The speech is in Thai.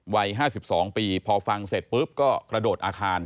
วัย๕๒ปีพอฟังเสร็จปุ๊บก็กระโดดอาคาร